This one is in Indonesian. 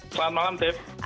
selamat malam tiff